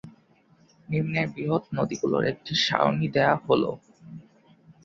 নিম্নে বৃহৎ নদীগুলোর একটি সারণি দেয়া হলও।